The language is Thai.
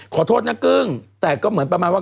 ขอโทษนะกึ้งแต่ก็เหมือนประมาณว่า